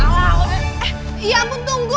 ya ampun tunggu